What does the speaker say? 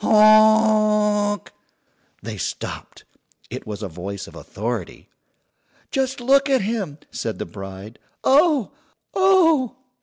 "Honk!" They stopped. It was a voice of authority. "Just look at him!" said the bride. "Oh, oh!"